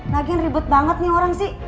lagian ribut banget nih orang sih